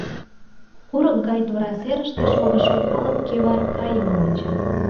Курык гай тура серыште шогышо калык кӱвар кайымым онча.